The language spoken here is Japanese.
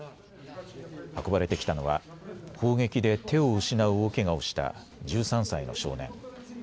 運ばれてきたのは砲撃で手を失う大けがをした１３歳の小年。